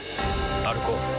歩こう。